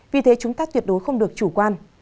vì thế chúng ta tuyệt đối không được chủ quan